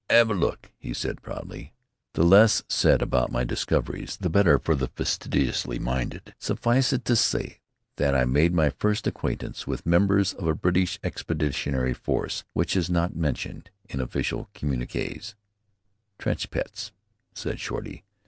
"'Ave a look," he said proudly. The less said about my discoveries the better for the fastidiously minded. Suffice it to say that I made my first acquaintance with members of a British Expeditionary Force which is not mentioned in official communiqués. "Trench pets," said Shorty.